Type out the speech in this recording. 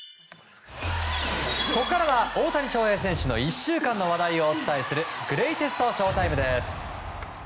ここからは大谷翔平選手の１週間の話題をお伝えするグレイテストＳＨＯ‐ＴＩＭＥです！